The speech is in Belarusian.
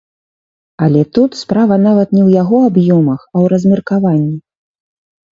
Але тут справа нават не ў яго аб'ёмах, а ў размеркаванні.